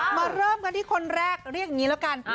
เริ่มกันที่คนแรกเรียกอย่างนี้แล้วกัน